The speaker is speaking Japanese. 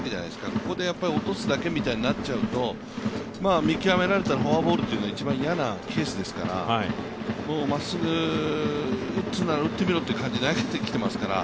ここで落とすだけみたいになっちゃうと、見極められたらフォアボールというのが一番嫌なケースですからまっすぐ、打つなら打ってみろという感じで投げてきますから。